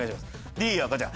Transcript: Ｄはこちら。